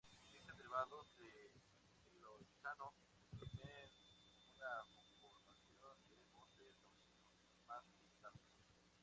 Existen derivados de ciclohexano que tienen una conformación de bote torcido más estable.